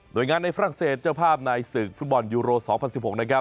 โดยงานในฝรั่งเศสเจ้าภาพในศึกฟุตบอลยูโร๒๐๑๖นะครับ